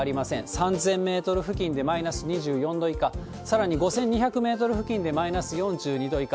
３０００メートル付近でマイナス２４度以下、さらに５２００メートル付近でマイナス４２度以下。